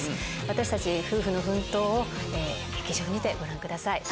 私たち夫婦の奮闘を劇場にてご覧ください。